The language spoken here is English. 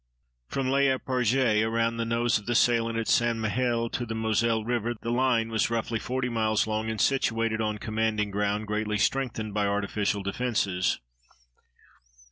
From Les Eparges around the nose of the salient at St. Mihiel to the Moselle River the line was, roughly, forty miles long and situated on commanding ground greatly strengthened by artificial defenses.